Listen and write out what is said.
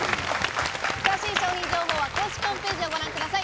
詳しい商品情報は公式ホームページをご覧ください。